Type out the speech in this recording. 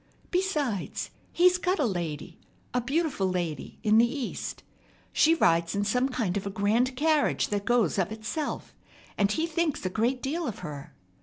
Besides, he's got a lady, a beautiful lady, in the East. She rides in some kind of a grand carriage that goes of itself, and he thinks a great deal of her."